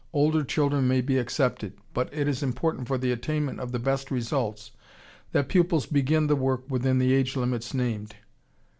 Older children may be accepted, but it is important for the attainment of the best results that pupils begin the work within the age limits named.